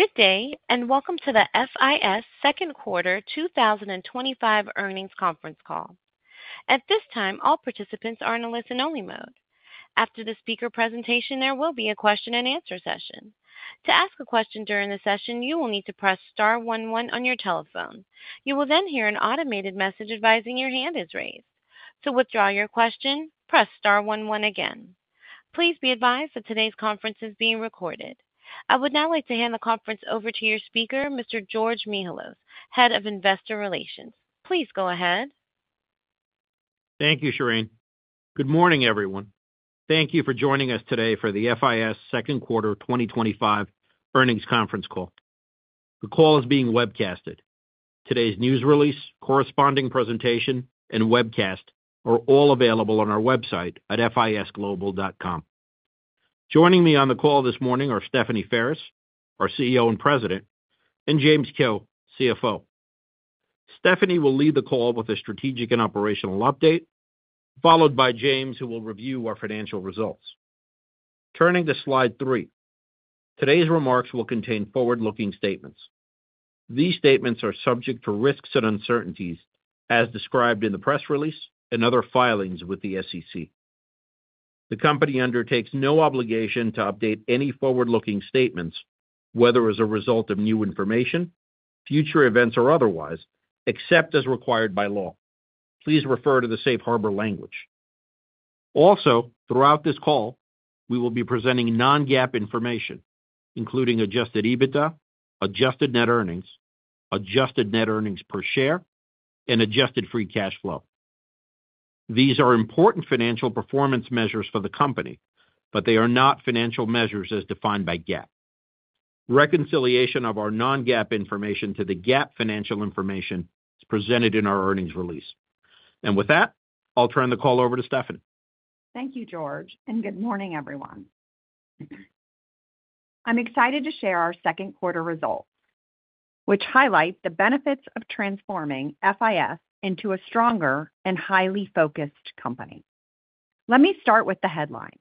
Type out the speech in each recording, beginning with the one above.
Good day and welcome to the FIS second quarter 2025 earnings conference call. At this time, all participants are in a listen-only mode. After the speaker presentation, there will be a question-and-answer session. To ask a question during the session, you will need to press star one one on your telephone. You will then hear an automated message advising your hand is raised. To withdraw your question, press star one one again. Please be advised that today's conference is being recorded. I would now like to hand the conference over to your speaker, Mr. George Mihalos, Head of Investor Relations. Please go ahead. Thank you, Sherene. Good morning, everyone. Thank you for joining us today for the FIS second quarter 2025 earnings conference call. The call is being webcast. Today's news release, corresponding presentation, and webcast are all available on our website at fisglobal.com. Joining me on the call this morning are Stephanie Ferris, our CEO and President, and James Kehoe, CFO. Stephanie will lead the call with a strategic and operational update, followed by James, who will review our financial results. Turning to Slide 3. Today's remarks will contain forward-looking statements. These statements are subject to risks and uncertainties as described in the press release and other filings with the SEC. The company undertakes no obligation to update any forward-looking statements, whether as a result of new information, future events, or otherwise, except as required by law. Please refer to the safe harbor language. Also, throughout this call we will be presenting non-GAAP information including adjusted EBITDA, adjusted net earnings, adjusted net earnings per share, and adjusted free cash flow. These are important financial performance measures for the company, but they are not financial measures as defined by GAAP. Reconciliation of our non-GAAP information to the GAAP financial information is presented in our earnings release. With that, I'll turn the call over to Stephanie. Thank you, George, and good morning, everyone. I'm excited to share our second quarter results, which highlight the benefits of transforming FIS into a stronger and highly focused company. Let me start with the headline.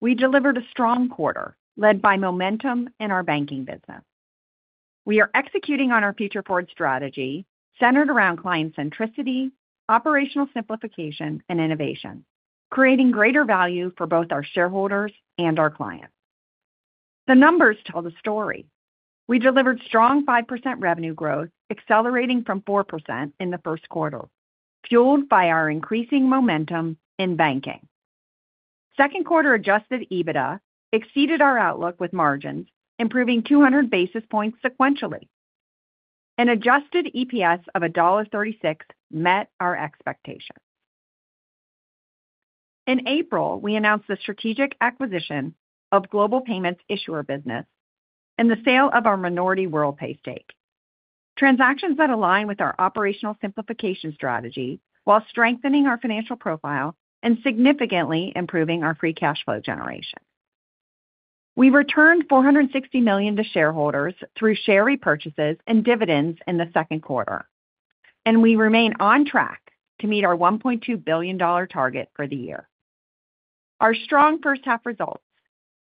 We delivered a strong quarter led by momentum in our banking business. We are executing on our future-forward strategy centered around client centricity, operational simplification, and innovation, creating greater value for both our shareholders and our clients. The numbers tell the story. We delivered strong 5% revenue growth, accelerating from 4% in the first quarter, fueled by our increasing momentum in banking. Second quarter adjusted EBITDA exceeded our outlook, with margins improving 200 basis points sequentially. An adjusted EPS of $1.36 met our expectations. In April, we announced the strategic acquisition of Global Payments Inc. and the sale of our minority Worldpay stake, transactions that align with our operational simplification strategy while strengthening our financial profile and significantly improving our free cash flow generation. We returned $460 million to shareholders through share repurchases and dividends in the second quarter, and we remain on track to meet our $1.2 billion target for the year. Our strong first half results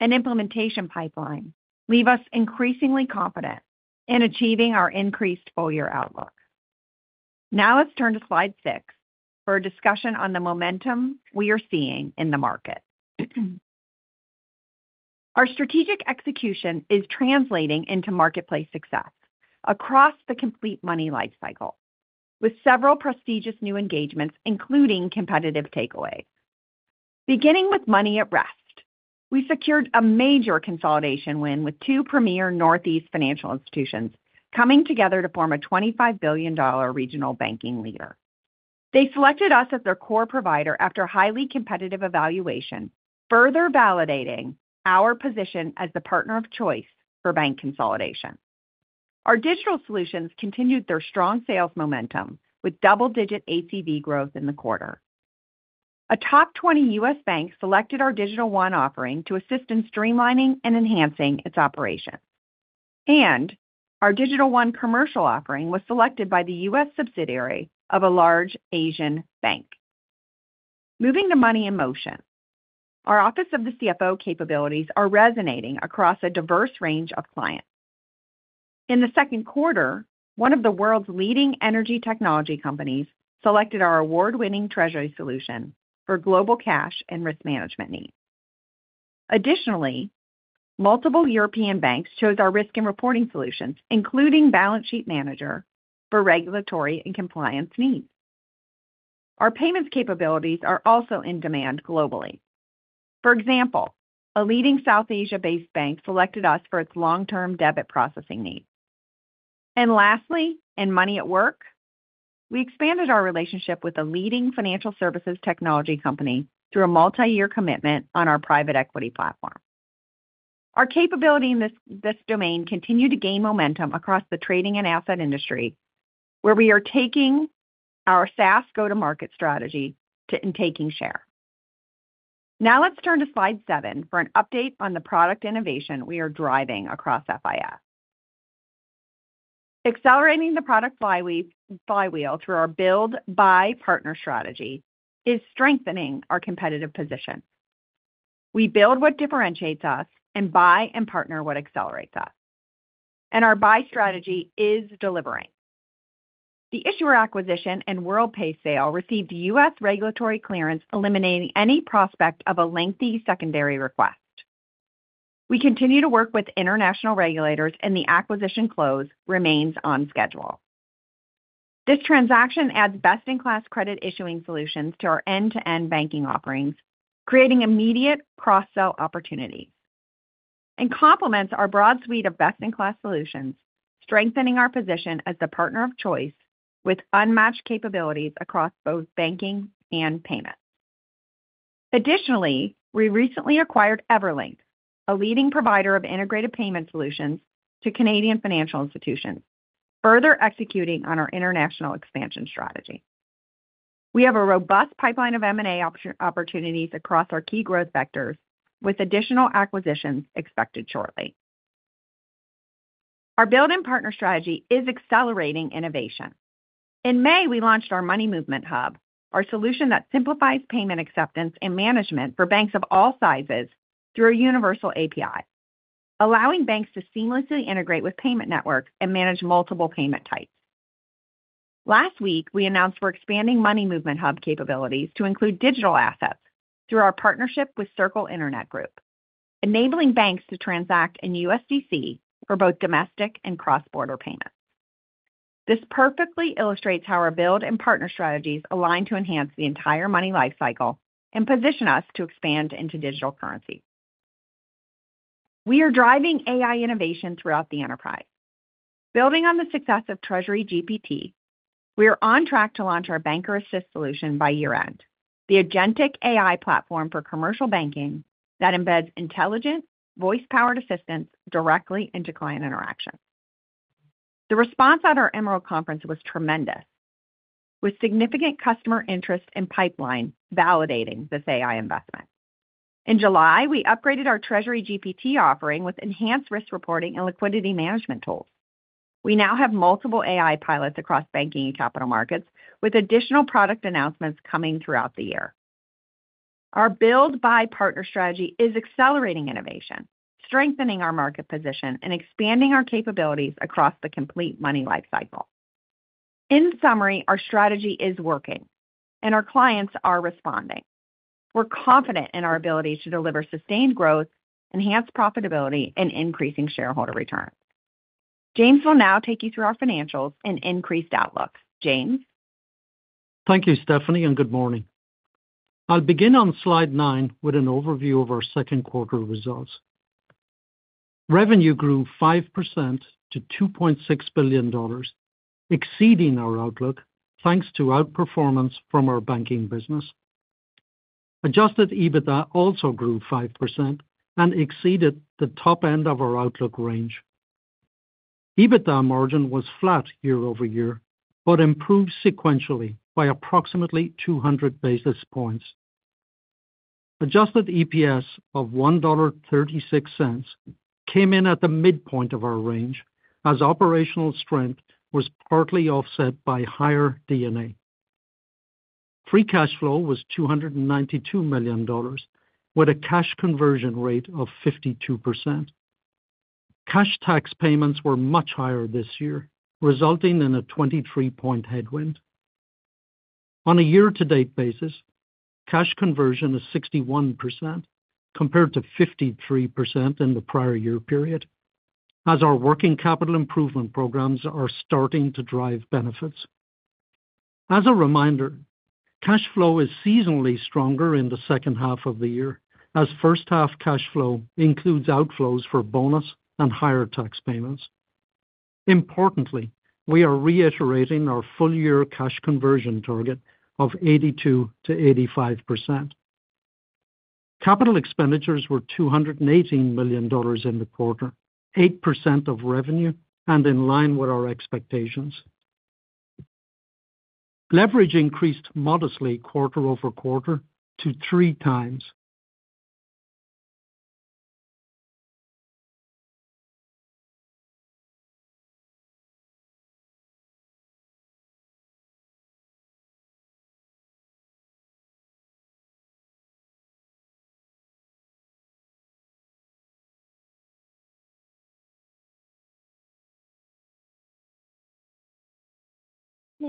and implementation pipeline leave us increasingly confident in achieving our increased full year outlook. Now let's turn to slide 6 for a discussion on the momentum we are seeing in the market. Our strategic execution is translating into marketplace success across the complete money life cycle, with several prestigious new engagements, including competitive takeaways. Beginning with Money at Rest, we secured a major consolidation win with two premier Northeast financial institutions coming together to form a $25 billion regional banking leader. They selected us as their core provider after highly competitive evaluation, further validating our position as the partner of choice for bank consolidation. Our digital solutions continued their strong sales momentum with double-digit ACV growth in the quarter. A top 20 U.S. bank selected our Digital One offering to assist in streamlining and enhancing its operations, and our Digital One commercial offering was selected by the U.S. subsidiary of a large Asian bank. Moving to Money in Motion, our Office of the CFO capabilities are resonating across a diverse range of clients in the second quarter. One of the world's leading energy technology companies selected our award-winning treasury solution for global cash and risk management needs. Additionally, multiple European banks chose our risk and reporting solutions, including Balance Sheet Manager, for regulatory and compliance needs. Our payments capabilities are also in demand globally. For example, a leading South Asia-based bank selected us for its long-term debit processing needs. Lastly, in Money at Work, we expanded our relationship with a leading financial services technology company through a multi-year commitment on our private equity platform. Our capability in this domain continues to gain momentum across the trading and asset industry, where we are taking our SaaS go-to-market strategy and taking share. Now let's turn to Slide 7 for an update on the product innovation we are driving across FIS. Accelerating the product flywheel through our build, buy, partner strategy is strengthening our competitive position. We build what differentiates us and buy and partner what accelerates us, and our buy strategy is delivering. The issuer acquisition and Worldpay sale received U.S. regulatory clearance, eliminating any prospect of a lengthy secondary request. We continue to work with international regulators, and the acquisition close remains on schedule. This transaction adds best-in-class credit issuing solutions to our end-to-end banking offerings, creating immediate cross-sell opportunities and complements our broad suite of best-in-class solutions, strengthening our position as the partner of choice with unmatched capabilities across both banking and payments. Additionally, we recently acquired Everlink, a leading provider of integrated payment solutions to Canadian financial institutions, further executing on our international expansion strategy. We have a robust pipeline of M&A opportunities across our key growth vectors, with additional acquisitions expected shortly. Our build and partner strategy is accelerating innovation. In May, we launched our Money Movement Hub, our solution that simplifies payment acceptance and management for banks of all sizes through a universal API, allowing banks to seamlessly integrate with payment networks and manage multiple payment types. Last week we announced we're expanding Money Movement Hub capabilities to include digital assets through our partnership with Circle Internet Financial, enabling banks to transact in USDC for both domestic and cross-border payments. This perfectly illustrates how our build and partner strategies align to enhance the entire money life cycle and position us to expand into digital currency. We are driving AI innovation throughout the enterprise. Building on the success of TreasuryGPT, we are on track to launch our Banker Assist solution by year end, the agentic AI platform for commercial banking that embeds intelligent voice-powered assistance directly into client interaction. The response at our Emerald Conference was tremendous, with significant customer interest and pipeline validating this AI investment. In July we upgraded our TreasuryGPT offering with enhanced risk reporting and liquidity management tools. We now have multiple AI pilots across banking and capital markets with additional product announcements coming throughout the year. Our Build Buy Partner strategy is accelerating innovation, strengthening our market position, and expanding our capabilities across the complete money life cycle. In summary, our strategy is working and our clients are responding. We're confident in our ability to deliver sustained growth, enhanced profitability, and increasing shareholder return. James will now take you through our financials and increased outlook. James, thank you, Stephanie, and good morning. I'll begin on Slide 9 with an overview of our second quarter results. Revenue grew 5% to $2.6 billion, exceeding our outlook thanks to outperformance from our banking business. Adjusted EBITDA also grew 5% and exceeded the top end of our outlook range. EBITDA margin was flat year-over-year but improved sequentially by approximately 200 basis points. Adjusted EPS of $1.36 came in at the midpoint of our range as operational strength was partly offset by higher DNA. Free cash flow was $292 million with a cash conversion rate of 52%. Cash tax payments were much higher this year, resulting in a 23 point headwind. On a year-to-date basis, cash conversion is 61% compared to 53% in the prior year period, as our working capital improvement programs are starting to drive benefits. As a reminder, cash flow is seasonally stronger in the second half of the year as first half cash flow includes outflows for bonus and higher tax payments. Importantly, we are reiterating our full year cash conversion target of 82%-85%. Capital expenditures were $218 million in the quarter, 8% of revenue, and in line with our expectations. Leverage increased modestly quarter-over-quarter to three times.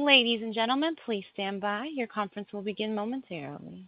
Ladies and gentlemen, please stand by. Your conference will begin momentarily.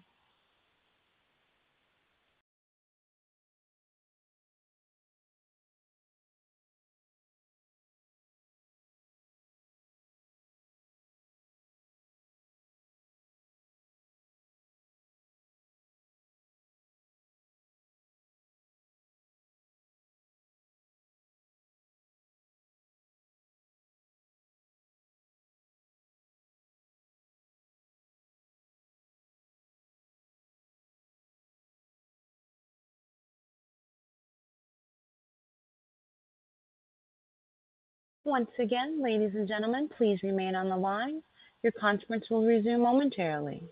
Once again, ladies and gentlemen, please remain on the line. Your conference will resume momentarily.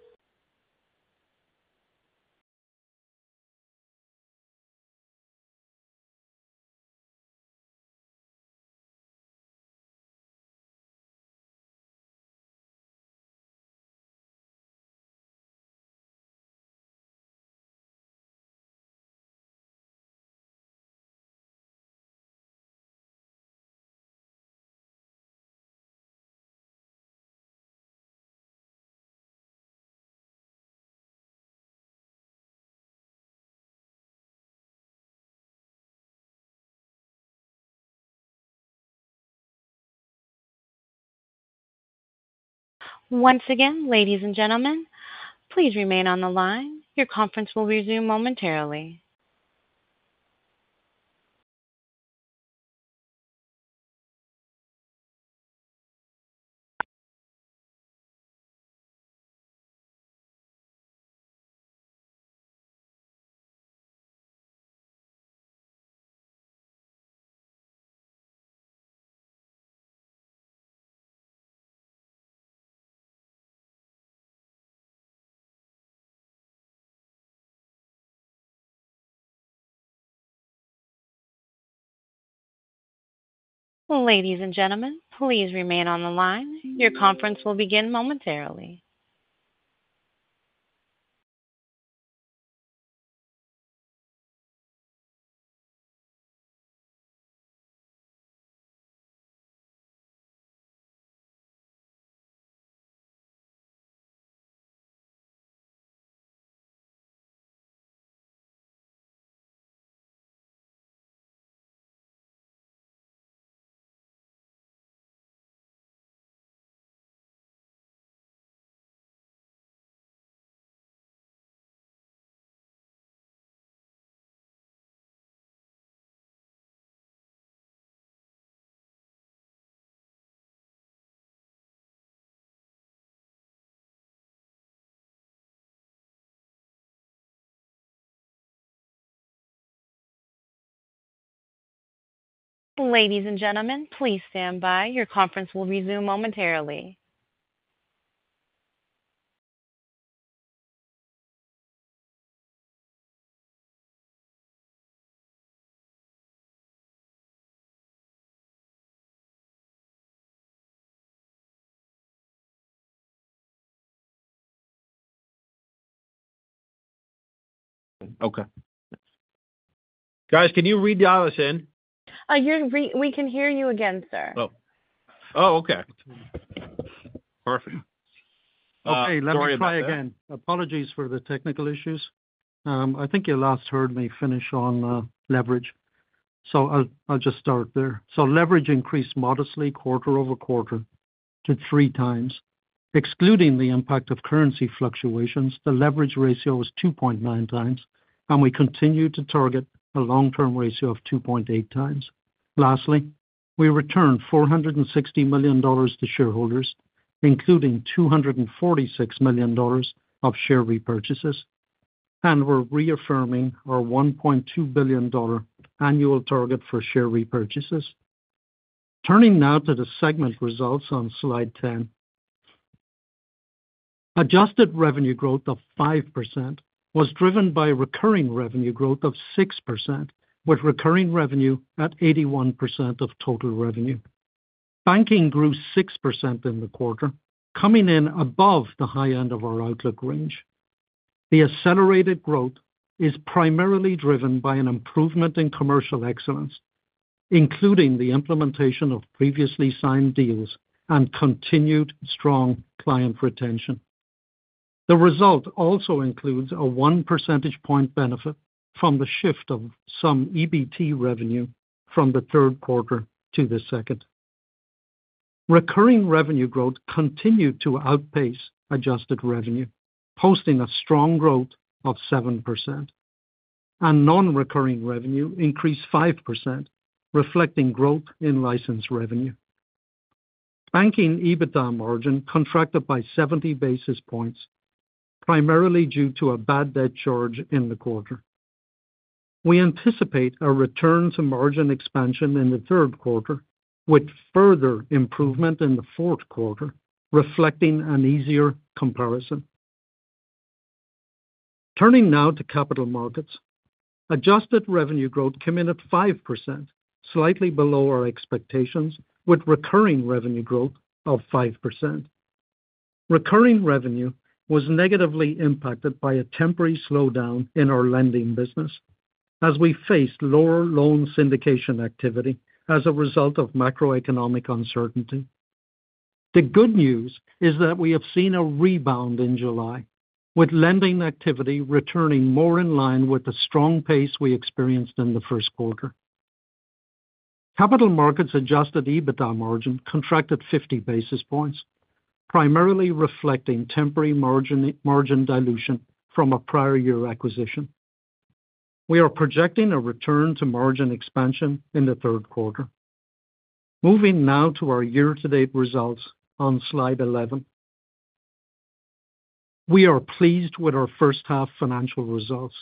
Once again, ladies and gentlemen, please remain on the line. Your conference will resume momentarily. It. Ladies and gentlemen, please remain on the line. Your conference will begin momentarily. Ladies and gentlemen, please stand by. Your conference will resume momentarily. Okay, guys, can you read in? We can hear you again, sir. Okay, perfect. Okay, let me try again. Apologies for the technical issues. I think you last heard me finish on leverage, so I'll just start there. Leverage increased modestly quarter-over-quarter to three times. Excluding the impact of currency fluctuations, the leverage ratio was 2.9 times and we continue to target a long term ratio of 2.8 times. Lastly, we returned $460 million to shareholders, including $246 million of share repurchases. We're reaffirming our $1.2 billion annual target for share repurchases. Turning now to the segment results on slide 10. Adjusted revenue growth of 5% was driven by recurring revenue growth of 6% with recurring revenue at 81% of total revenue. Banking grew 6% in the quarter, coming in above the high end of our outlook range. The accelerated growth is primarily driven by an improvement in commercial excellence, including the implementation of previously signed deals and continued strong client retention. The result also includes a 1 percentage point benefit from the shift of some EBIT revenue from the third quarter to the second. Recurring revenue growth continued to outpace adjusted revenue, posting a strong growth of 7%. Non-recurring revenue increased 5%, reflecting growth in license revenue. Banking EBITDA margin contracted by 70 basis points, primarily due to a bad debt charge in the quarter. We anticipate a return to margin expansion in the third quarter with further improvement in the fourth quarter, reflecting an easier comparison. Turning now to capital markets, adjusted revenue growth came in at 5%, slightly below our expectations with recurring revenue growth of 5%. Recurring revenue was negatively impacted by a temporary slowdown in our lending business as we faced lower loan syndication activity as a result of macroeconomic uncertainty. The good news is that we have seen a rebound in July with lending activity returning more in line with the strong pace we experienced in the first quarter. Capital markets adjusted EBITDA margin contracted 50 basis points, primarily reflecting temporary margin dilution from a prior year acquisition. We are projecting a return to margin expansion in the third quarter. Moving now to our year to date results on slide 11, we are pleased with our first half financial results.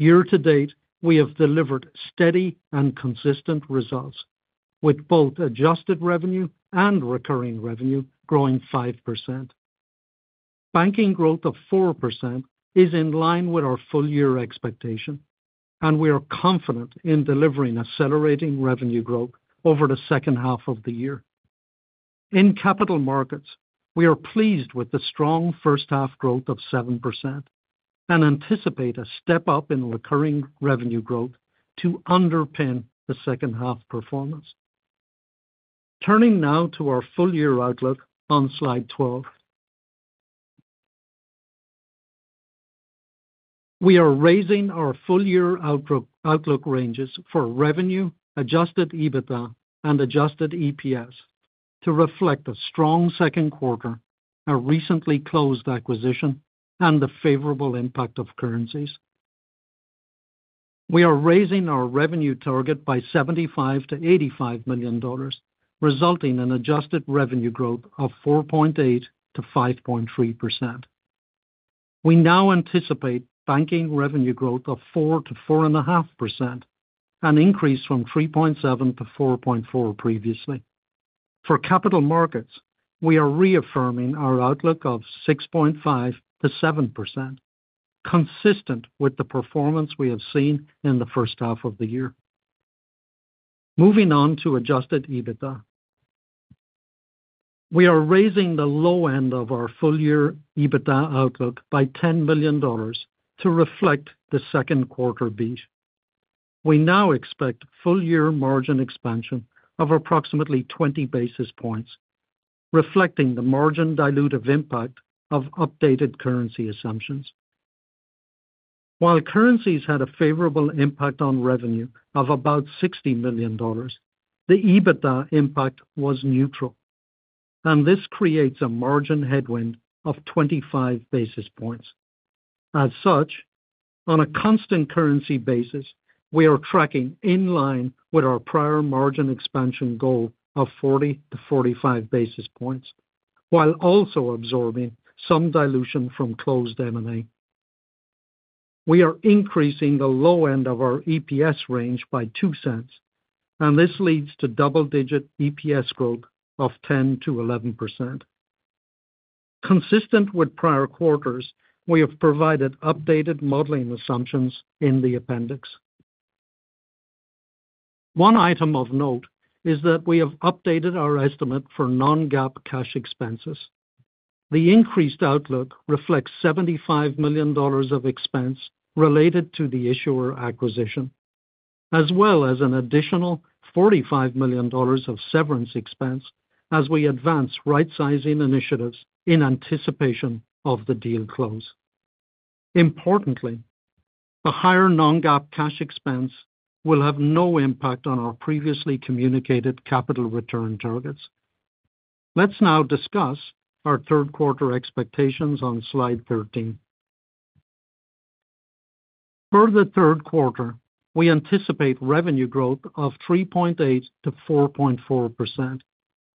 Year to date we have delivered steady and consistent results with both adjusted revenue and recurring revenue growing 5%. Banking growth of 4% is in line with our full year expectation and we are confident in delivering accelerating revenue growth over the second half of the year. In capital markets, we are pleased with the strong first half growth of 7% and anticipate a step up in recurring revenue growth to underpin the second half performance. Turning now to our full year outlook on slide 12, we are raising our full year outlook ranges for revenue, adjusted EBITDA, and adjusted EPS to reflect a strong second quarter, a recently closed acquisition, and the favorable impact of currencies. We are raising our revenue target by $75 million-$85 million, resulting in adjusted revenue growth of 4.8%-5.3%. We now anticipate banking revenue growth of 4%-4.5%, an increase from 3.7%-4.4% previously. For capital markets, we are reaffirming our outlook of 6.5%-7%, consistent with the performance we have seen in the first half of the year. Moving on to adjusted EBITDA, we are raising the low end of our full year EBITDA outlook by $10 million to reflect the second quarter beat. We now expect full year margin expansion of approximately 20 basis points, reflecting the margin dilutive impact of updated currency assumptions. While currencies had a favorable impact on revenue of about $60 million, the EBITDA impact was neutral and this creates a margin headwind of 25 basis points. As such, on a constant currency basis, we are tracking in line with our prior margin expansion goal of 40-45 basis points while also absorbing some dilution from closed M&A. We are increasing the low end of our EPS range by $0.02 and this leads to double digit EPS growth of 10%-11%, consistent with prior quarters. We have provided updated modeling assumptions in the Appendix. One item of note is that we have updated our estimate for non-GAAP cash expenses. The increased outlook reflects $75 million of expense related to the issuer acquisition as well as an additional $45 million of severance expense as we advance rightsizing initiatives in anticipation of the deal close. Importantly, a higher non-GAAP cash expense will have no impact on our previously communicated capital return targets. Let's now discuss our third quarter expectations on slide 13. For the third quarter, we anticipate revenue growth of 3.8%-4.4%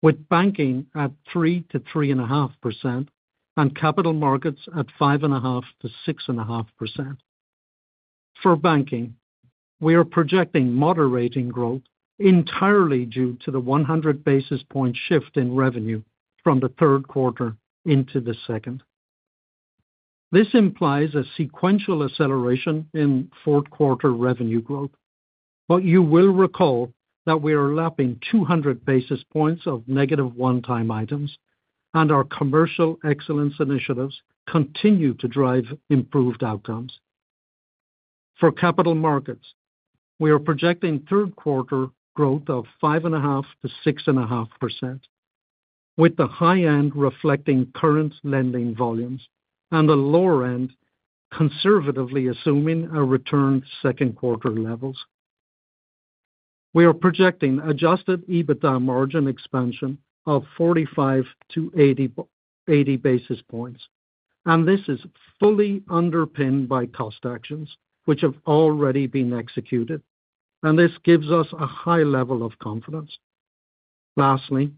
with banking at 3%-3.5% and capital markets at 5.5%-6.5%. For banking, we are projecting moderating growth entirely due to the 100 basis point shift in revenue from the third quarter into the second. This implies a sequential acceleration in fourth quarter revenue growth. You will recall that we are lapping 200 basis points of negative one-time items, and our commercial excellence initiatives continue to drive improved outcomes. For capital markets, we are projecting third quarter growth of 5.5%-6.5%, with the high end reflecting current lending volumes and the lower end conservatively assuming a return to second quarter levels. We are projecting adjusted EBITDA margin expansion of 45-80 basis points, and this is fully underpinned by cost actions which have already been executed. This gives us a high level of confidence. Lastly,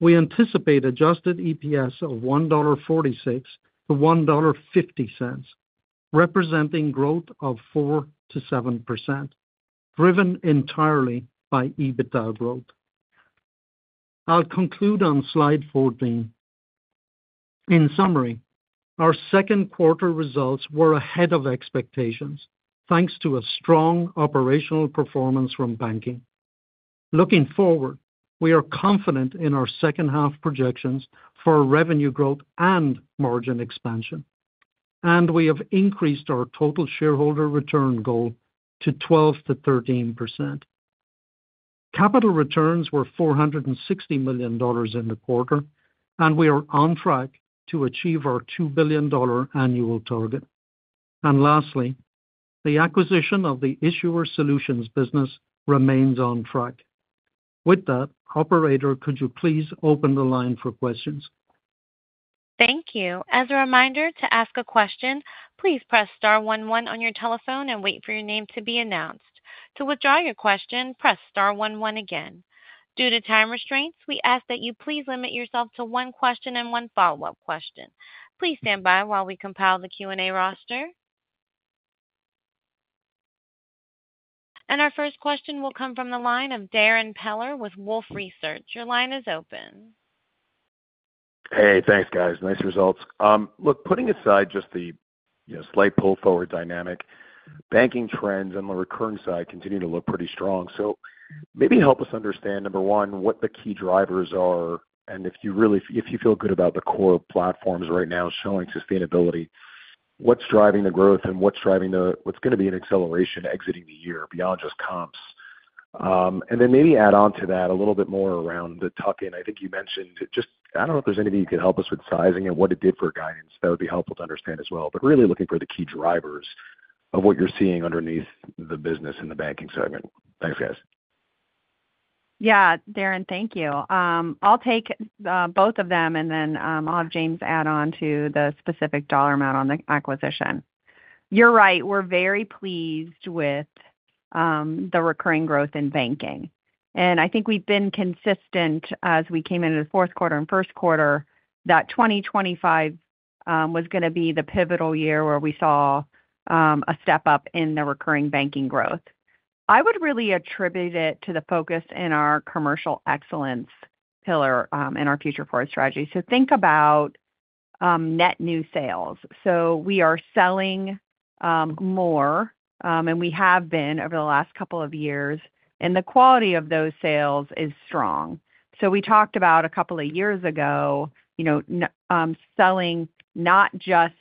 we anticipate adjusted EPS of $1.46-$1.50, representing growth of 4%-7%, driven entirely by EBITDA growth. I'll conclude on Slide 14. In summary, our second quarter results were ahead of expectations thanks to a strong operational performance from banking. Looking forward, we are confident in our second half projections for revenue growth and margin expansion, and we have increased our total shareholder return goal to 12%-13%. Capital returns were $460 million in the quarter, and we are on track to achieve our $2 billion annual target. Lastly, the acquisition of the Issuer Solutions business remains on track with that operator. Could you please open the line for questions? Thank you. As a reminder to ask a question, please press star one one on your telephone and wait for your name to be announced. To withdraw your question, press star one one. Again, due to time restraints, we ask that you please limit yourself to one question and one follow up question. Please stand by while we compile the Q and A roster and our first question will come from the line of Darrin Peller with Wolfe Research. Your line is open. Hey, thanks guys. Nice results. Putting aside just the slight pull forward, dynamic banking trends on the recurring side continue to look pretty strong. Maybe help us understand, number one, what the key drivers are and if you feel good about the core platforms right now showing sustainability, what's driving the growth and what's going to be an acceleration exiting the year beyond just comps. Maybe add on to that a little bit more around the tuck-in I think you mentioned. I don't know if there's anything you could help us with sizing and what it did for guidance, that would be helpful to understand as well. Really looking for the key drivers of what you're seeing underneath the business in the banking segment. Thanks guys. Yeah Darrin, thank you. I'll take both of them and then I'll have James add on to the specific dollar amount on the acquisition. You're right. We're very pleased with the recurring growth in banking and I think we've been consistent as we came into the fourth quarter and first quarter that 2025 was going to be the pivotal year where we saw a step up in the recurring banking growth. I would really attribute it to the focus in our commercial excellence pillar in our future forward strategy. Think about net new sales. We are selling more and we have been over the last couple of years and the quality of those sales is strong. We talked about a couple of years ago, you know, selling not just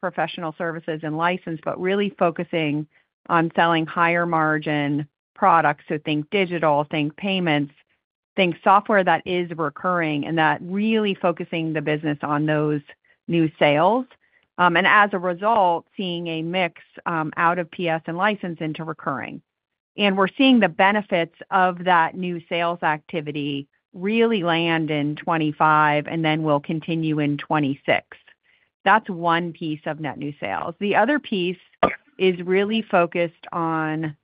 professional services and license but really focusing on selling higher margin products. Think digital, think payments, think software that is recurring and that really focusing the business on those new sales and as a result seeing a mix out of PS and license into recurring and we're seeing the benefits of that new sales activity really land in 2025 and then will continue in 2026. That's one piece of net new sales. The other piece is really focused on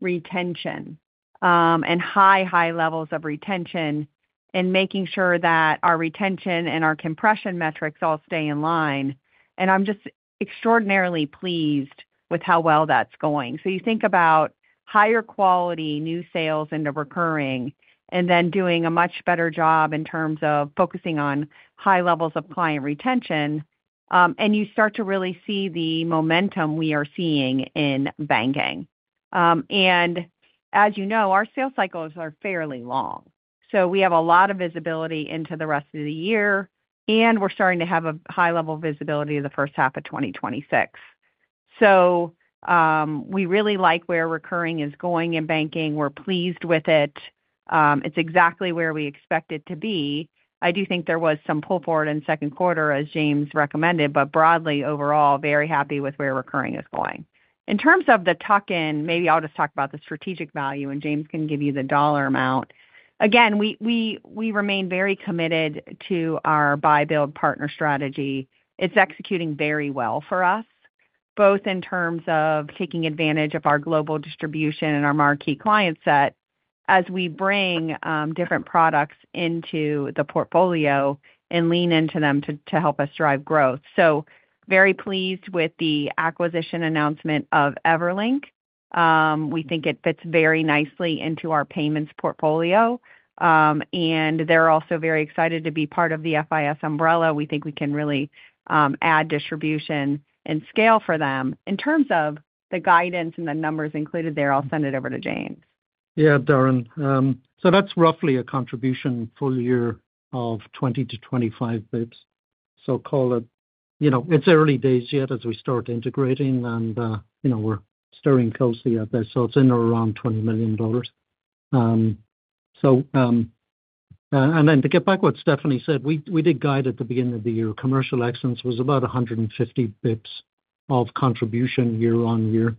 retention and high, high levels of retention and making sure that our retention and our compression metrics all stay in line. I'm just extraordinarily pleased with how well that's going. You think about higher quality new sales into recurring and then doing a much better job in terms of focusing on high levels of client retention. You start to really see the momentum we are seeing in banking. As you know our sales cycles are fairly long. We have a lot of visibility into the rest of the year and we're starting to have a high level visibility of the first half of 2026. We really like where recurring is going in banking. We're pleased with it. It's exactly where we expect it to be. I do think there was some pull forward in second quarter as James recommended. Broadly overall very happy with where recurring is going in terms of the tuck in. Maybe I'll just talk about the strategic value and James can give you the dollar amount. Again we remain very committed to our buy build partner strategy. It's executing very well for us both in terms of taking advantage of our global distribution and our marquee client set as we bring different products into the portfolio and lean into them to help us drive growth. Very pleased with the acquisition announcement of Everlink. We think it fits very nicely into our payments portfolio. They're also very excited to be part of the FIS umbrella. We think we can really add distribution and scale for them in terms of the guidance and the numbers included there. I'll send it over to James. Yeah, Darrin. That's roughly a contribution full year of 20-25 basis points. It's early days yet as we start integrating and we're staring closely at this. It's in around $20 million. To get back to what Stephanie said, we did guide at the beginning of the year. Commercial excellence was about 150 basis points of contribution year on year.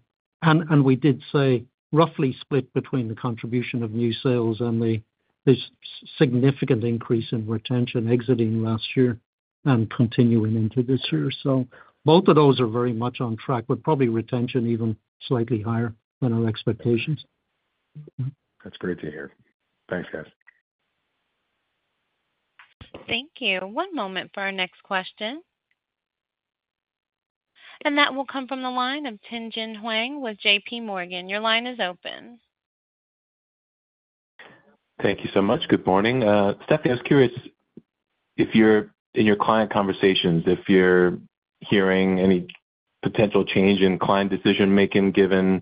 We did say roughly split between the contribution of new sales and the significant increase in retention exiting last year and continuing into this year. Both of those are very much on track with probably retention even slightly higher than our expectations. That's great to hear. Thanks, guys. Thank you. One moment for our next question. That will come from the line of Tien-Tsin Huang with JPMorgan. Your line is open. Thank you so much. Good morning. Stephanie, I was curious if in your client conversations, you're hearing any potential change in client decision making, given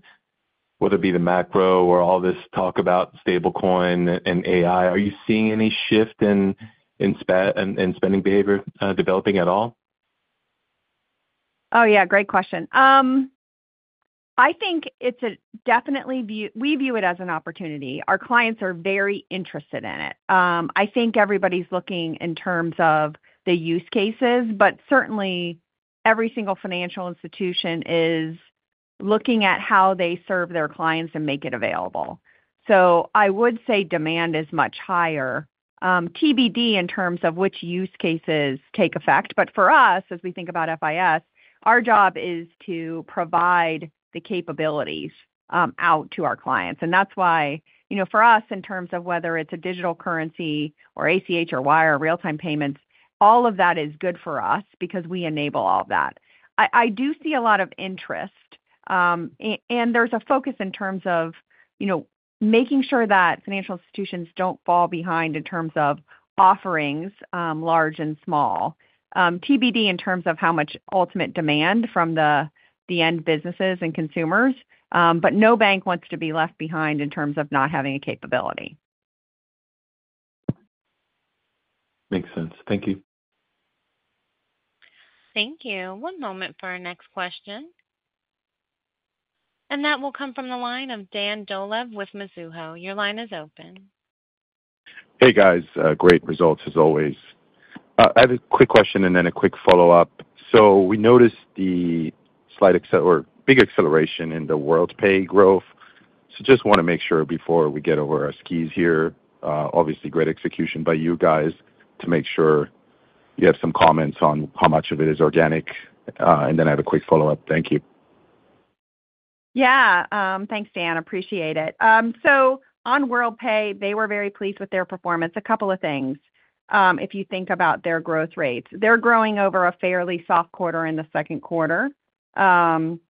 whether it be the macro or all this talk about stablecoin and AI. Are you seeing any shift in spend and spending behavior developing at all? Oh, yeah, great question. I think it's definitely a view. We view it as an opportunity. Our clients are very interested in it. I think everybody's looking in terms of the use cases, but certainly every single financial institution is looking at how they serve their clients and make it available. I would say demand is much higher, TBD in terms of which use cases take effect. For us, as we think about FIS, our job is to provide the capabilities out to our clients. That's why, for us, in terms of whether it's a digital currency or ACH or wire, real-time payments, all of that is good for us because we enable all of that. I do see a lot of interest, and there's a focus in terms of making sure that financial institutions don't fall behind in terms of offerings large and small, TBD in terms of how much ultimate demand from the end businesses and consumers. No bank wants to be left behind in terms of not having a capability. Makes sense. Thank you. Thank you. One moment for our next question, and that will come from the line of Dan Dolev with Mizuho. Your line is open. Hey guys, great results as always. I have a quick question and then a quick follow-up. We noticed the slight or big acceleration in the Worldpay growth. I just want to make sure before we get over our skis here. Obviously, great execution by you guys. Can you make sure you have some comments on how much of it is organic? I have a quick follow-up. Thank you. Yeah, thanks Dan. I appreciate it. On Worldpay, they were very pleased with their performance. A couple of things, if you think about their growth rates, they're growing over a fairly soft quarter in the second quarter, and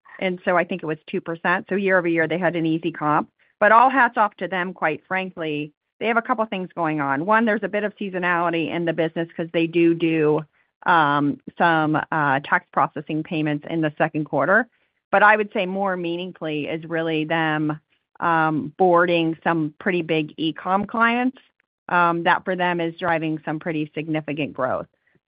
I think it was 2%. year-over-year, they had an easy comp. All hats off to them, quite frankly. They have a couple of things going on. One, there's a bit of seasonality in the business because they do some tax processing payments in the second quarter. I would say more meaningfully is really them boarding some pretty big e-comm clients that for them is driving some pretty significant growth.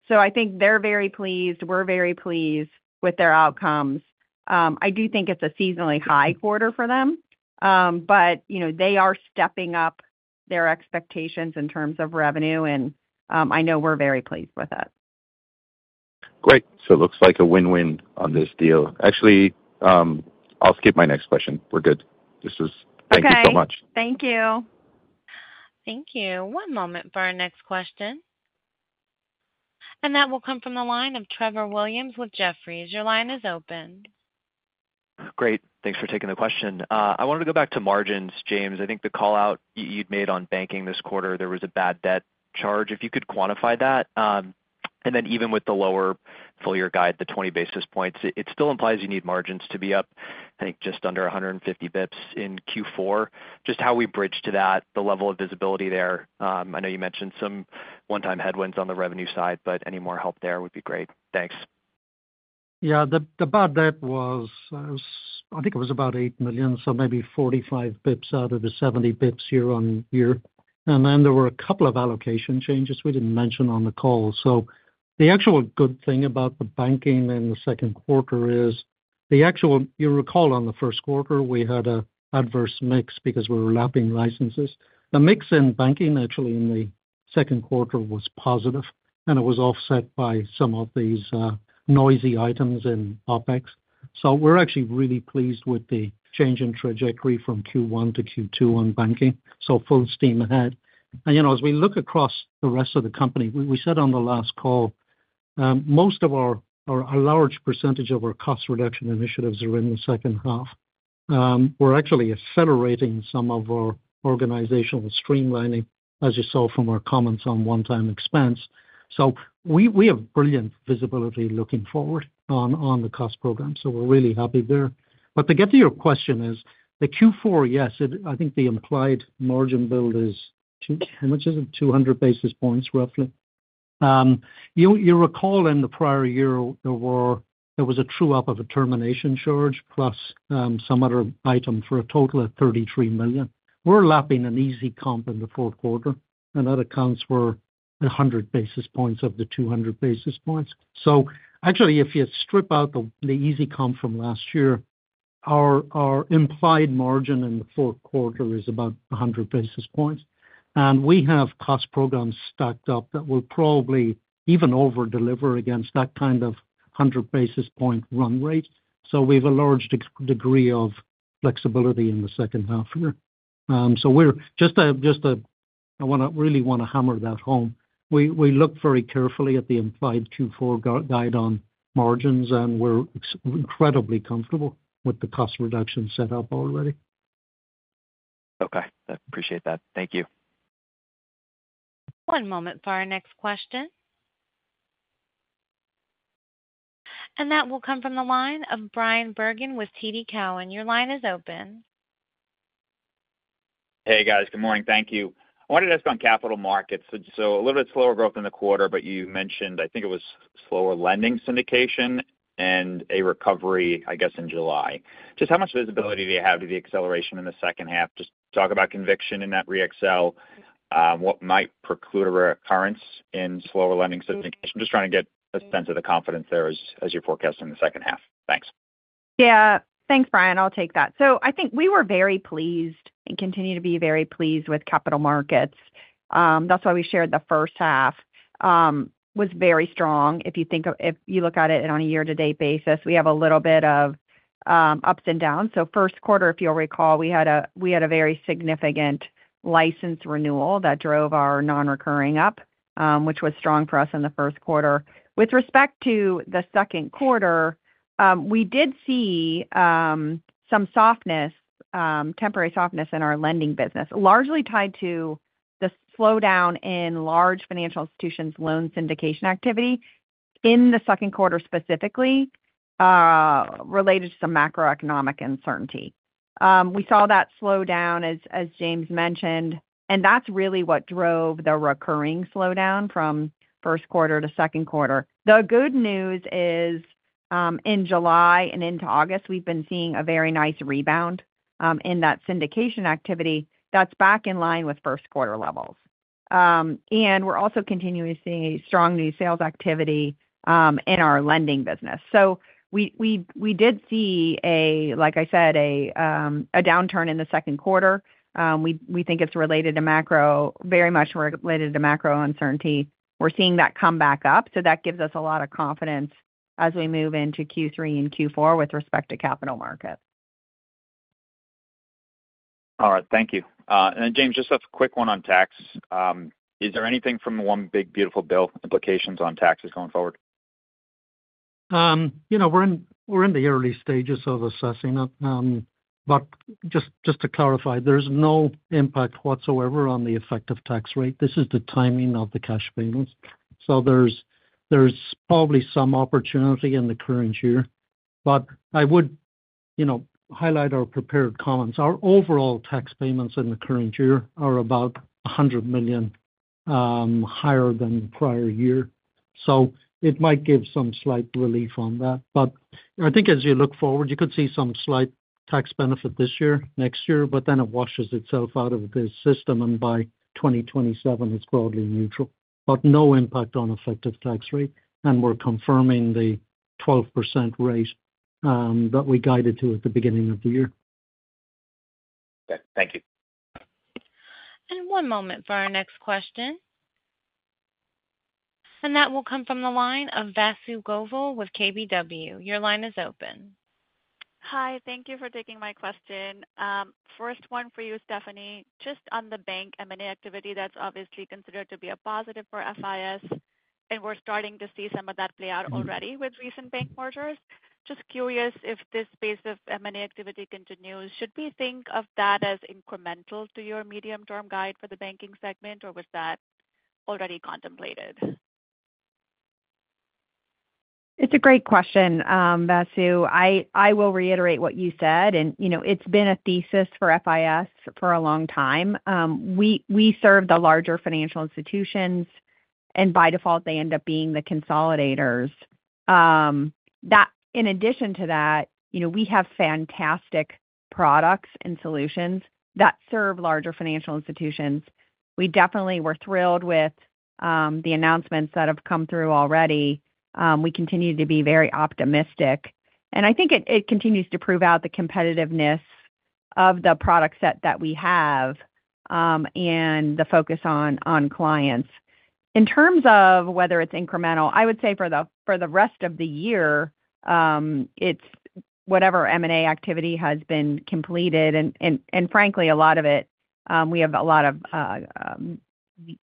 I think they're very pleased, we're very pleased with their outcomes. I do think it's a seasonally high quarter for them, but they are stepping up their expectations in terms of revenue, and I know we're very pleased with it. Great. It looks like a win-win on this deal. I'll skip my next question. We're good. This is. Thank you so much. Thank you. Thank you. One moment for our next question, and that will come from the line of Trevor Williams with Jefferies. Your line is open. Great. Thanks for taking the question. I wanted to go back to margins. James, I think the call out you'd made on banking this quarter, there was a bad debt charge. If you could quantify that, and then even with the lower full year guide, the 20 basis points, it still implies you need margins to be up just under 150 basis points in Q4. Just how we bridge to that, the level of visibility there. I know you mentioned some one-time headwinds on the revenue side, but any more help there would be great, thanks. Yeah, the bad debt was, I think it was about $8 million, so maybe 45 basis points out of the 70 basis points year on year. There were a couple of allocation changes we didn't mention on the call. The actual good thing about the Banking in the second quarter is the actual. You recall in the first quarter we had an adverse mix because we were lapping licenses. The mix in Banking actually in the second quarter was positive and it was offset by some of these noisy items in OpEx. We're actually really pleased with the change in trajectory from Q1 to Q2 on Banking. Full steam ahead. As we look across the rest of the company, we said on the last call most of our, a large percentage of our cost reduction initiatives are in the second half. We're actually accelerating some of our organizational streamlining as you saw from our comments on one-time expense. We have brilliant visibility looking forward on the cost program. We're really happy there. To get to your question, is the Q4? Yes. I think the implied margin build is, how much is it? 200 basis points roughly. You recall in the prior year there was a true-up of a termination charge plus some other item for a total of $33 million. We're lapping an easy comp in the fourth quarter and that accounts for 100 basis points up to 200 basis points. If you strip out the easy comp from last year, our implied margin in the fourth quarter is about 100 basis points. We have cost programs stacked up that will probably even over-deliver against that kind of 100 basis point run rate. We have a large degree of flexibility in the second half here. I really want to hammer that home. We look very carefully at the implied Q4 guide on margins and we're incredibly comfortable with the cost reduction set up already. Okay, I appreciate that. Thank you. One moment for our next question. And. That will come from the line of Brian Bergin with TD Cowen. Your line is open. Hey guys, good morning. Thank you. Wanted to ask on capital markets, a little bit slower growth in the quarter but you mentioned, I think it was slower lending syndication and a recovery I guess in July. Just how much visibility do you have to the acceleration in the second half? Just talk about conviction in that re Excel what might preclude a reoccurrence in slower lending. I think I'm just trying to get a sense of the confidence there as you're forecasting the second half. Thanks. Yeah, thanks Bryan. I'll take that. I think we were very pleased and continue to be very pleased with capital markets. That's why we shared the first half was very strong. If you look at it on a year to date basis, we have a little bit of ups and downs. First quarter, if you'll recall, we had a very significant license renewal that drove our non-recurring up, which was strong for us in the first quarter. With respect to the second quarter, we did see some softness, temporary softness in our lending business, largely tied to the slowdown in large financial institutions' loan syndication activity in the second quarter, specifically related to some macroeconomic uncertainty. We saw that slow down, as James mentioned, and that's really what drove the recurring slowdown from first quarter to second quarter. The good news is in July and into August we've been seeing a very nice rebound in that syndication activity that's back in line with first quarter levels. We're also continuing to see strong new sales activity in our lending business. We did see, like I said, a downturn in the second quarter. We think it's related to macro, very much related to macro uncertainty. We're seeing that come back up. That gives us a lot of confidence as we move into Q3 and Q4 with respect to capital markets. All right, thank you. James, just a quick one on tax. Is there anything from the one big beautiful bill implications on taxes going forward? We're in the early stages of assessing it, but just to clarify, there's no impact whatsoever on the effective tax rate. This is the timing of the cash payments. There's probably some opportunity in the current year. I would highlight our prepared comments. Our overall tax payments in the current year are about $100 million higher than prior year. It might give some slight relief on that. I think as you look forward you could see some slight tax benefit this year, next year, but then it washes itself out of the system and by 2027 it's broadly neutral with no impact on effective tax rate. We're confirming the 12% rate that we guided to at the beginning of the year. Thank you. One moment for our next question. That will come from the line of Vasundhara Govil with KBW. Your line is open. Hi. Thank you for taking my question. First one for you, Stephanie. Just on the bank M&A. Activity that's obviously considered to be a. Positive for FIS and we're starting to. See some of that play out already. With recent bank mergers. Just curious, if this space of M. Activity continues, should we think. Of that as incremental to your medium term guide for the banking segment or was that already contemplated? It's a great question, Vasu. I will reiterate what you said and you know, it's been a thesis for FIS for a long time. We serve the larger financial institutions and by default they end up being the consolidators. In addition to that, you know, we have fantastic products and solutions that serve larger financial institutions. We definitely were thrilled with the announcements that have come through already. We continue to be very optimistic, and I think it continues to prove out the competitiveness of the product set that we have and the focus on clients. In terms of whether it's incremental, I would say for the rest of the year it's whatever M&A activity has been completed and frankly a lot of it, we have a lot of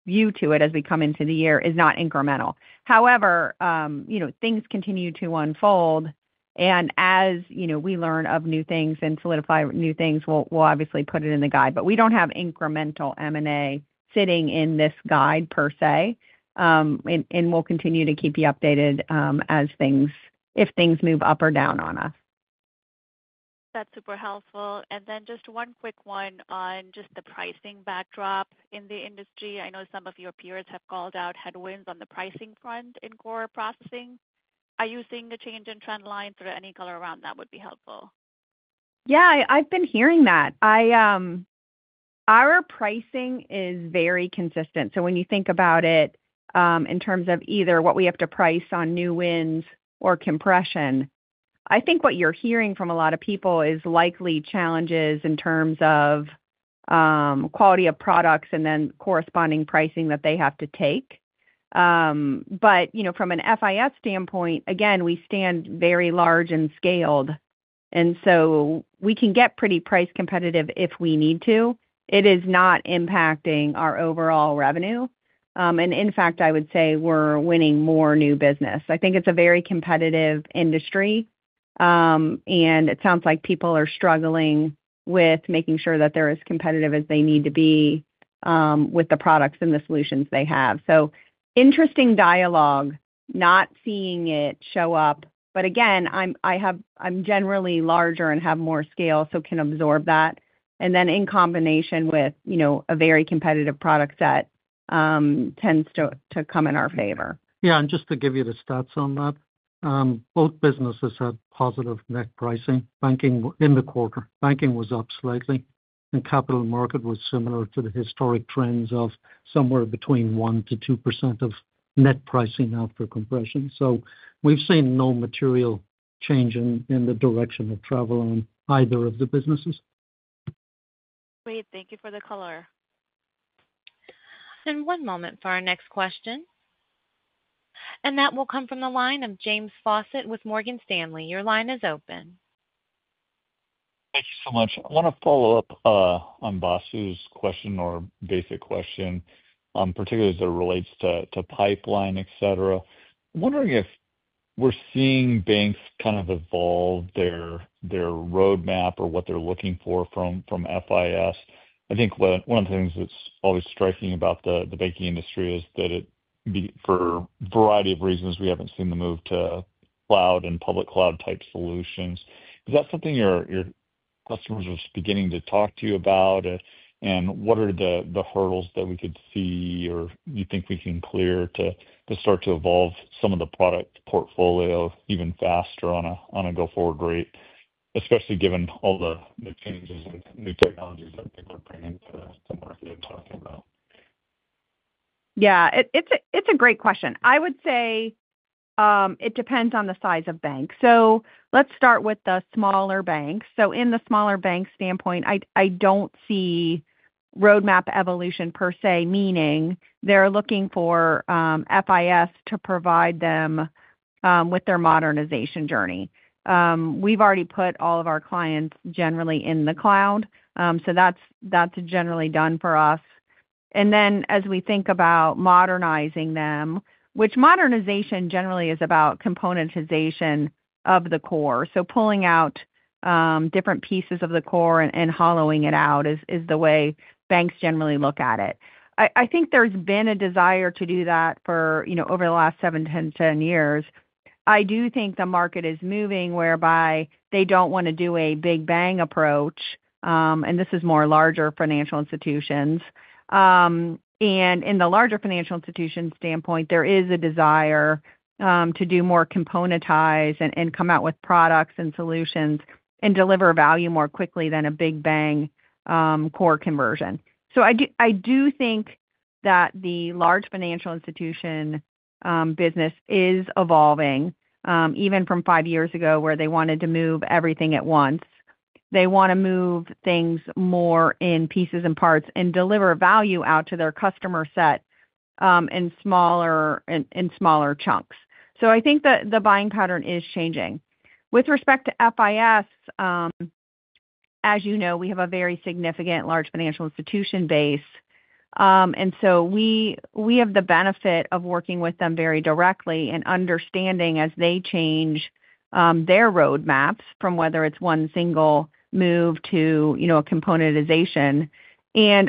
view to it as we come into the year, is not incremental. However, you know, things continue to unfold and as you know, we learn of new things and solidify new things. We'll obviously put it in the guide, but we don't have incremental M&A sitting in this guide per se. We'll continue to keep you updated as things, if things move up or down on us. That's super helpful. Just one quick one on. Just the pricing backdrop in the industry. I know some of your peers have. Called out headwinds on the pricing front in core processing. Are you seeing a change in trend line through any color around that would be helpful? Yeah, I've been hearing that. Our pricing is very consistent. When you think about it in terms of either what we have to price on new wins or compression, I think what you're hearing from a lot of people is likely challenges in terms of quality of products and then corresponding pricing that they have to take. From an FIS standpoint, again we stand very large and scaled and we can get pretty price competitive if we need to. It is not impacting our overall revenue and in fact I would say we're winning more new business. I think it's a very competitive industry and it sounds like people are struggling with making sure that they're as competitive as they need to be with the products and the solutions they have. Interesting dialog, not seeing it show up, but again I'm generally larger and have more scale so can absorb that. In combination with a very competitive product that tends to come in our favor. Just to give you the stats on that, both businesses had positive net pricing in the quarter. Banking was up slightly, and capital markets was similar to the historic trends of somewhere between 1%-2% of net pricing after compression. We've seen no material change in the direction of travel on either of the businesses. Great. Thank you for the color. One moment for our next question. That will come from the line of James Faucette with Morgan Stanley. Your line is open. Thank you so much. I want to follow up on Vasu's question, particularly as it relates to pipeline, etc. Wondering if we're seeing banks kind of evolve their roadmap or what they're looking for from FIS. I think one of the things that's always striking about the banking industry is that for a variety of reasons we haven't seen the move to cloud and public cloud type solutions. Is that something your customers are beginning to talk to you about, and what are the hurdles that we could see or you think we can clear to start to evolve some of the product portfolio even faster on a go forward rate, especially given all the new changes and new technologies that people are bringing to market and talking about? Yeah, it's a great question. I would say it depends on the size of banks. Let's start with the smaller banks. From the smaller bank standpoint, I don't see roadmap evolution per se, meaning they're looking for FIS to provide them with their modernization journey. We've already put all of our clients generally in the cloud, so that's generally done for us. As we think about modernizing them, which modernization generally is about componentization of the core, pulling out different pieces of the core and hollowing it out is the way banks generally look at it. I think there's been a desire to do that for, you know, over the last seven, 10 years. I do think the market is moving whereby they don't want to do a big bang approach. This is more larger financial institutions. In the larger financial institution standpoint, there is a desire to do more, componentize and come out with products and solutions and deliver value more quickly than a big bang core conversion. I do think that the large financial institution business is evolving even from five years ago where they wanted to move everything at once. They want to move things more in pieces and parts and deliver value out to their customer set in smaller chunks. I think that the buying pattern is changing with respect to FIS. As you know, we have a very significant large financial institution base, and we have the benefit of working with them very directly and understanding as they change their roadmaps from whether it's one single move to a componentization.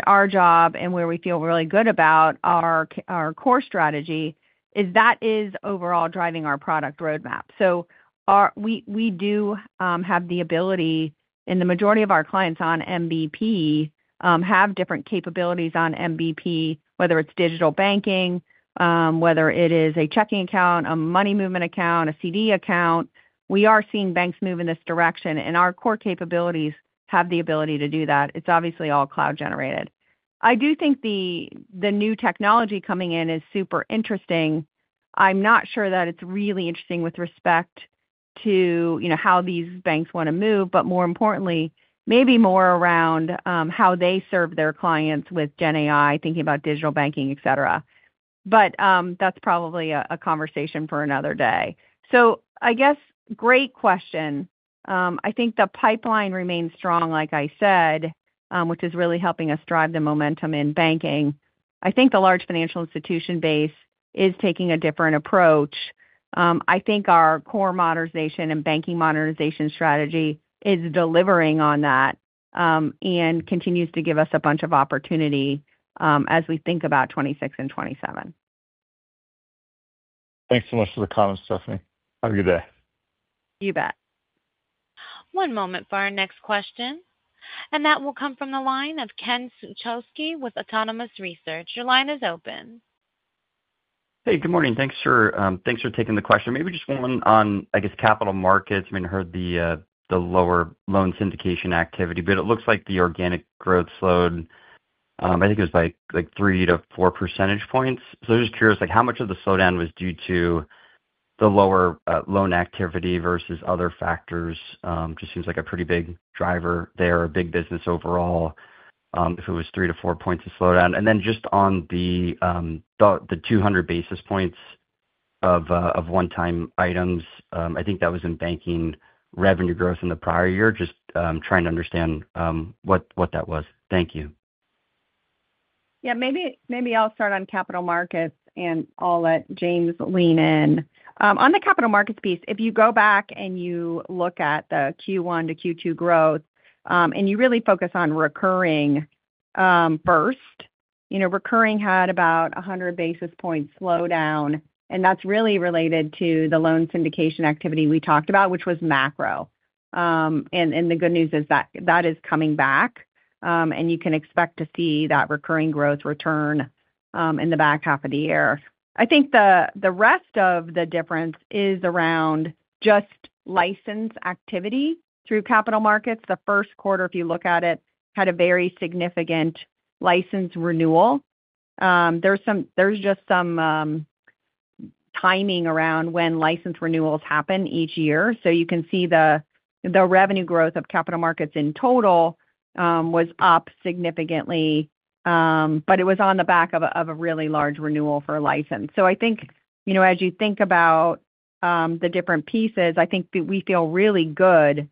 Our job and where we feel really good about our core strategy is that it is overall driving our product roadmap. We do have the ability to, and the majority of our clients on MVP have different capabilities on MVP, whether it's digital banking, whether it is a checking account, a money movement account, a CD account. We are seeing banks move in this direction, and our core capabilities have the ability to do that. It's obviously all cloud generated. I do think the new technology coming in is super interesting. I'm not sure that it's really interesting with respect to how these banks want to move, but more importantly maybe more around how they serve their clients with GenAI, thinking about digital banking, et cetera. That's probably a conversation for another day. Great question. I think the pipeline remains strong, like I said, which is really helping us drive the momentum in banking. I think the large financial institution base is taking a different approach. I think our core modernization and banking modernization strategy is delivering on that and continues to give us a bunch of opportunity as we think about 2026 and 2027. Thanks so much for the comments, Stephanie. Have a good day. You bet. One moment for our next question. That will come from the line of Ken Suchoski with Autonomous Research. Your line is open. Hey, good morning. Thanks for taking the question. Maybe just one on, I guess, capital markets. I heard the lower lending syndication activity, but it looks like the organic growth slowed. I think it was like 3%-4%. Just curious how much of the slowdown was due to the lower loan activity versus other factors. It just seems like a pretty big driver there, a big business overall. If it was 3%-4% of slowdown, and then just on the 200 basis points of one-time items, I think that was in banking revenue growth in the prior year. Just trying to understand what that was. Thank you. Yeah. Maybe I'll start on capital markets and I'll let James lean in on the capital markets piece. If you go back and you look at the Q1 to Q2 growth and you really focus on recurring first, you know recurring had about 100 basis points slowdown and that's really related to the loan syndication activity we talked about which was macro. The good news is that that is coming back and you can expect to see that recurring growth return in the back half of the year. I think the rest of the difference is around just license activity through capital markets. The first quarter if you look at it had a very significant license renewal. There's just some timing around when license renewals happen each year. You can see the revenue growth of capital markets in total was up significantly but it was on the back of a really large renewal for a license. I think, you know, as you think about the different pieces I think we feel really good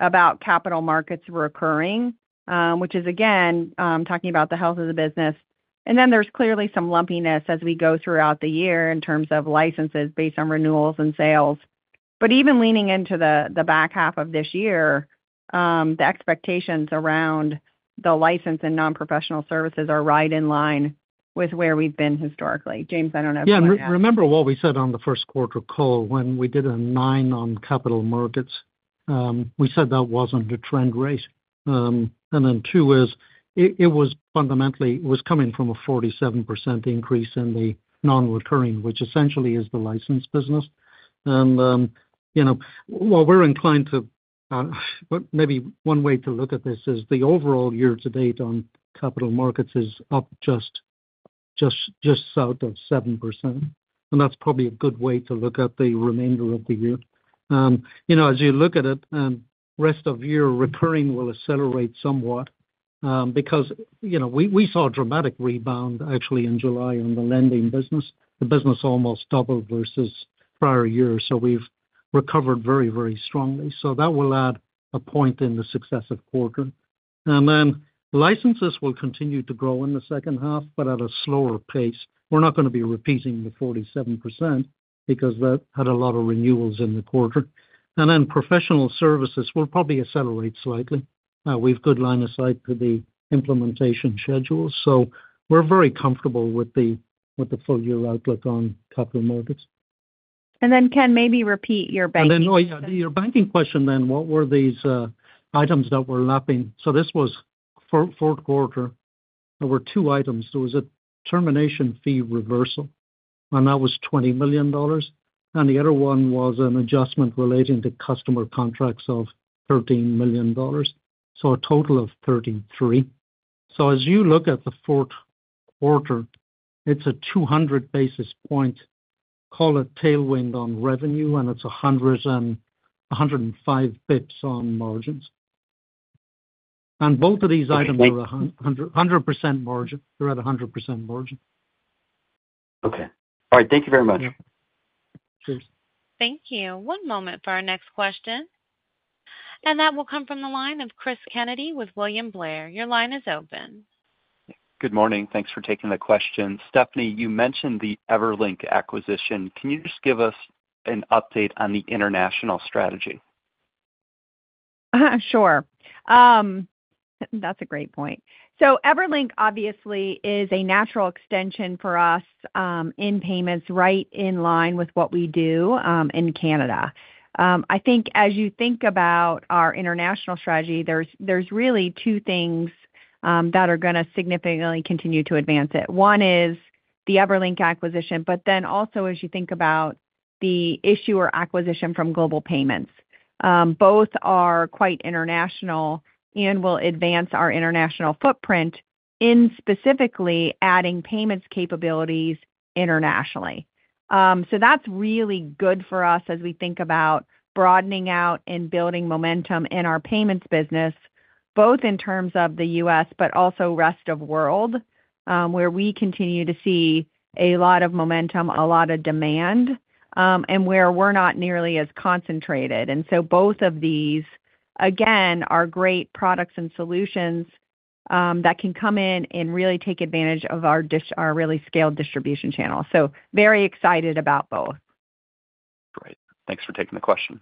about capital markets recurring which is again talking about the health of the business. There is clearly some lumpiness as we go throughout the year in terms of licenses based on renewals and sales. Even leaning into the back half of this year the expectations around the license and non professional services are right in line with where we've been historically. James. I don't know. Yeah. Remember what we said on the first quarter call when we did a 9 on capital markets, we said that wasn't a trend rate, and then two is it was fundamentally was coming from a 47% increase in the non-recurring, which essentially is the licensed business. You know, while we're inclined to, but maybe one way to look at this is the overall year to date on capital markets is up just, just, just south of 7%. That's probably a good way to look at the remainder of the year. You know, as you look at it, rest of your recurring will accelerate somewhat because you know we saw a dramatic rebound actually in July on the lending business. The business almost doubled versus prior year. We've recovered very, very strongly. That will add a point in the successive quarter, and then licenses will continue to grow in the second half but at a slower pace. We're not going to be repeating the 47% because that had a lot of renewals in the quarter. Professional services will probably accelerate slightly. We've good line of sight to the implementation schedules. We're very comfortable with the full year outlook on capital markets. Ken, maybe repeat your banking. Your banking question then. What were these items that were lapping? This was fourth quarter, there were two items. There was a termination fee reversal and that was $20 million. The other one was an adjustment relating to customer contracts of $13 million, so a total of $33 million. As you look at the fourth quarter, it's a 200 basis point, call it tailwind on revenue, and it's 105 basis points on margins. Both of these items are 100% margin. They're at 100% margin. Okay. All right, thank you very much. Thank you. One moment for our next question. That will come from the line of Chris Kennedy with William Blair. Your line is open. Good morning. Thanks for taking the question. Stephanie, you mentioned the Everlink acquisition. Can you just give us an update on the international strategy? Sure, that's a great point. Everlink obviously is a natural extension for us in payments, right in line with what we do in Canada. I think as you think about our international strategy, there's really two things that are going to significantly continue to advance it. One is the Everlink acquisition, but then also as you think about the issuer acquisition from Global Payments, both are quite international and will advance our international footprint in specifically adding payments capabilities internationally. That's really good for us as we think about broadening out and building momentum in our payments business, both in terms of the U.S. but also rest of world, where we continue to see a lot of momentum, a lot of demand, and where we're not nearly as concentrated. Both of these, again, are great products and solutions that can come in and really take advantage of our really scaled distribution channel. Very excited about both. Great, thanks for taking the question.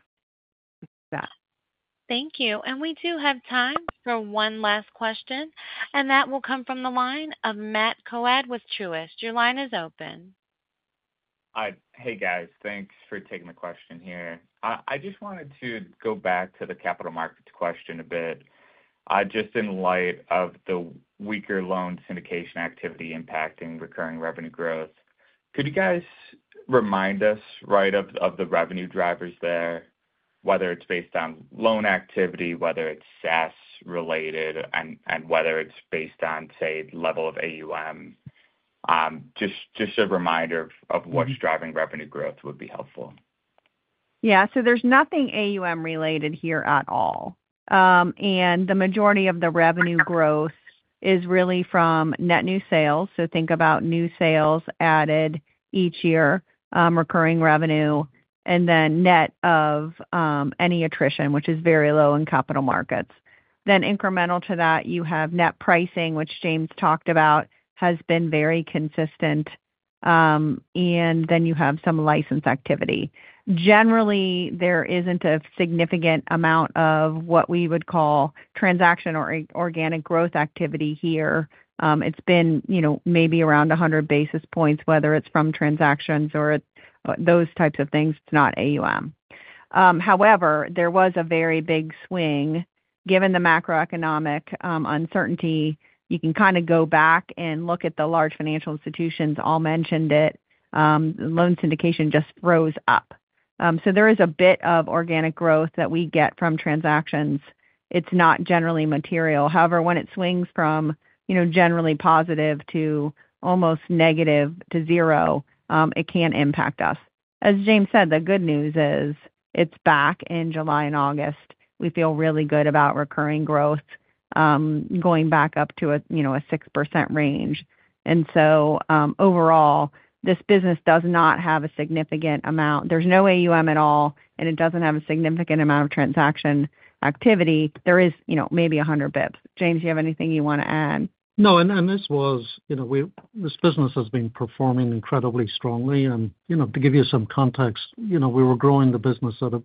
Thank you. We do have time for one last question, and that will come from the line of Matt Coad with Truist. Your line is open. Hey guys, thanks for taking the question here. I just wanted to go back to the capital markets question a bit. In light of the weaker lending syndication activity impacting recurring revenue growth, could you guys remind us, right, of the revenue drivers there? Whether it's based on loan activity, whether it's SaaS related, and whether it's based on, say, level of AUM. Just a reminder of what's driving revenue growth would be helpful. Yeah, so there's nothing AUM related here at all. The majority of the revenue growth is really from net new sales. Think about new sales added each year, recurring revenue, and then net of any attrition, which is very low in capital markets. Incremental to that, you have net pricing, which James talked about has been very consistent, and then you have some license activity. Generally, there isn't a significant amount of what we would call transaction or organic growth activity here. It's been, you know, maybe around 100 basis points, whether it's from transactions or those types of things. It's not AUM. However, there was a very big swing given the macroeconomic uncertainty. You can kind of go back and look at the large financial institutions all mentioned it. Loan syndication just rose up. There is a bit of organic growth that we get from transactions. It's not generally material. However, when it swings from, you know, generally positive to almost negative to zero, it can impact us, as James said. The good news is it's back. In July and August, we feel really good about recurring growth going back up to a, you know, a 6% range. Overall, this business does not have a significant amount. There's no AUM at all, and it doesn't have a significant amount of transaction activity. There is, you know, maybe 100 basis points. James, you have anything you want to add? No. This business has been performing incredibly strongly. To give you some context, we were growing the business at a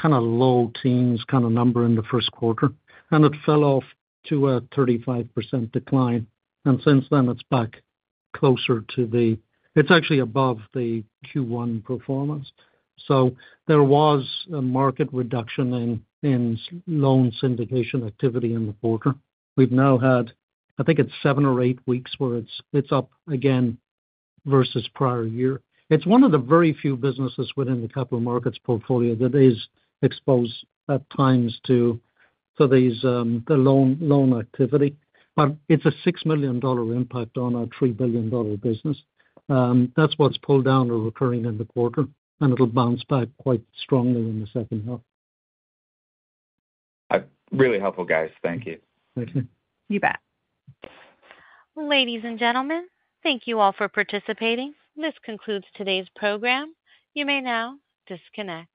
kind of low teens kind of number in the first quarter and it fell off to a 35% decline. Since then it's back closer to the, it's actually above the Q1 performance. There was a marked reduction in loan syndication activity in the quarter. We've now had, I think it's seven or eight weeks where it's up again versus prior year. It's one of the very few businesses within the capital markets portfolio that is exposed at times to these, the loan activity. It's a $6 million impact on our $3 billion business. That's what's pulled down our recurring in the quarter. It'll bounce back quite strongly in the second half. Really helpful, guys. Thank you. You bet. Ladies and gentlemen, thank you all for participating. This concludes today's program. You may now disconnect.